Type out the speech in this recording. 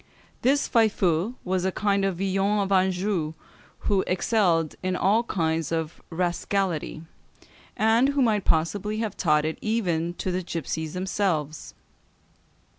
This Faifeu was a kind of Villon of Anjou, who excelled in all kinds of rascality, and who might possibly have taught it even to the gipsies themselves.